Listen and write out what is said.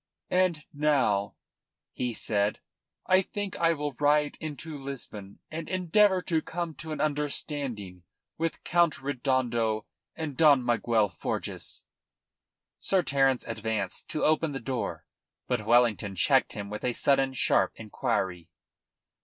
"And now," he said, "I think I will ride into Lisbon and endeavour to come to an understanding with Count Redondo and Don Miguel Forjas." Sir Terence advanced to open the door. But Wellington checked him with a sudden sharp inquiry.